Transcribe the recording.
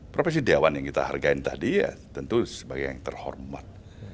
profesi dewan yang kita hargai tadi ya tentu sebagai yang terhormat